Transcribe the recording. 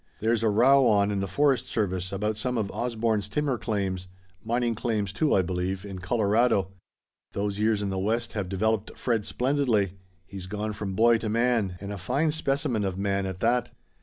There's a row on in the forest service about some of Osborne's timber claims mining claims, too, I believe in Colorado. Those years in the West have developed Fred splendidly. He's gone from boy to man, and a fine specimen of man, at that."